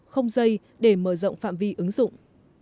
không dây để mở rộng phạm vi ứng dụng